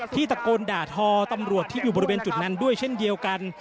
ตะโกนด่าทอตำรวจที่อยู่บริเวณจุดนั้นด้วยเช่นเดียวกัน